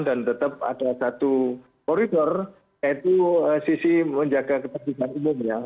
dan tetap ada satu koridor yaitu sisi menjaga ketentuan umumnya